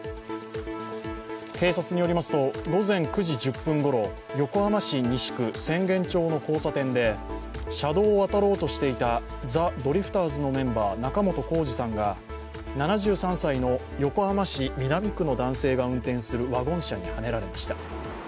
警察によりますと、午前９時１０分ごろ、横浜市西区浅間町の交差点で車道を渡ろうとしていたザ・ドリフターズのメンバー、仲本工事さんが７３歳の横浜市南区の男性が運転するワゴン車にはねられました。